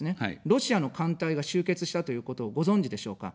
ロシアの艦隊が集結したということをご存じでしょうか。